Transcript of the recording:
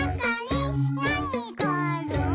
「なにがある？」